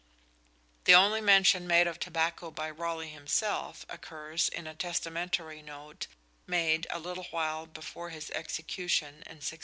The only mention made of tobacco by Raleigh himself occurs in a testamentary note made a little while before his execution in 1618.